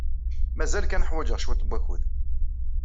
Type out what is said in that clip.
Mazal kan ḥwajeɣ cwiṭ n wakud.